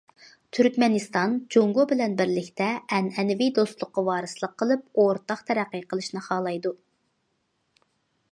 تۈركمەنىستان جۇڭگو بىلەن بىرلىكتە، ئەنئەنىۋى دوستلۇققا ۋارىسلىق قىلىپ، ئورتاق تەرەققىي قىلىشنى خالايدۇ.